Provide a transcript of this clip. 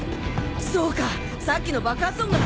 そうかさっきの爆発音が。